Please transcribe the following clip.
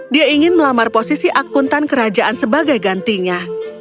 dia ingin melamar posisi akuntan kerajaan sebagai gantinya